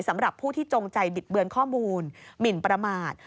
สำหรับผู้ที่จงใจบิดเบือนข้อมูลหมินประมาท